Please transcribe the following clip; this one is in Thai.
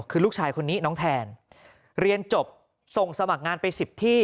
คือลูกชายคนนี้น้องแทนเรียนจบส่งสมัครงานไป๑๐ที่